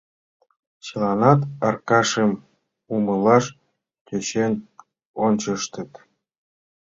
Чыланат Аркашым умылаш тӧчен ончыштыт.